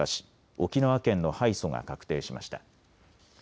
沖縄県の敗訴が確定しました。